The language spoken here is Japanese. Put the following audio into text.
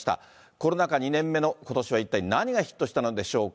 コロナ禍２年目のことしは一体何がヒットしたのでしょうか。